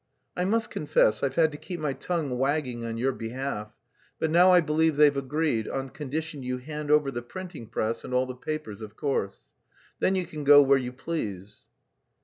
I must confess I've had to keep my tongue wagging on your behalf; but now I believe they've agreed, on condition you hand over the printing press and all the papers, of course. Then you can go where you please."